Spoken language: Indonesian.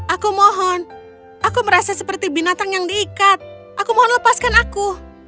aku mohon aku merasa seperti binatang yang diikat aku mohon lepaskan aku